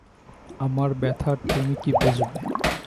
আমার ব্যাথার তুমি কী বুঝবে।